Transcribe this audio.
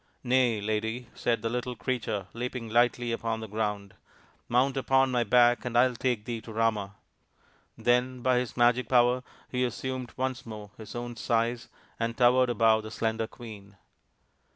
" Nay, lady," said the little Creature, leaping lightly upon the ground, " mount upon my back and I will take thee to Rama." Then by his magic power he assumed once more his own size and towered above the slender queen.